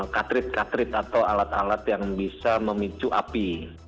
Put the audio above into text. katrit katrit atau alat alat yang bisa memicu api